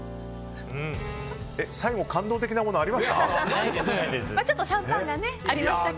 最後、感動的なものありました？